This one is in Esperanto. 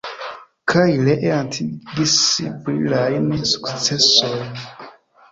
Kaj ree atingis brilajn sukcesojn.